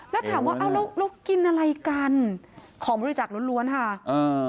แล้วถามว่าเอาแล้วเรากินอะไรกันของบริจาคล้วนล้วนค่ะอ่า